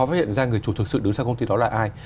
phát hiện ra người chủ thực sự đứng sang công ty đó là ai